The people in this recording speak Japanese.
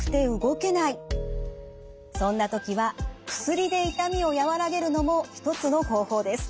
そんな時は薬で痛みを和らげるのも一つの方法です。